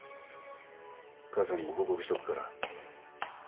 母さんにも報告しとくから。